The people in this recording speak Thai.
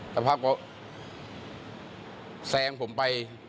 แต่พร้อมว่าแสงผมไป